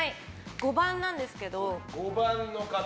５番なんですけど。